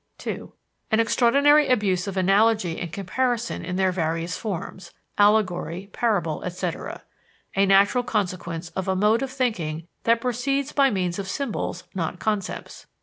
(2) An extraordinary abuse of analogy and comparison in their various forms (allegory, parable, etc.) a natural consequence of a mode of thinking that proceeds by means of symbols, not concepts.